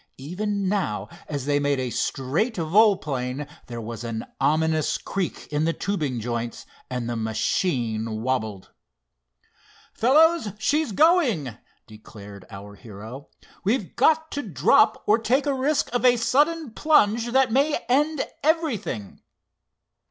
Even now, as they made a straight volplane, there was an ominous creak in the tubing joints, and the machine wabbled. "Fellows, she's going!" declared our hero. "We've got to drop or take a risk of a sudden plunge that may end everything."